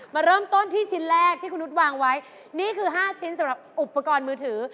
มาเริ่มต้นที่ชิ้นแรกที่คุณนุษย์วางไว้นี่คือ๕ชิ้นสำหรับอุปกรณ์มือถือ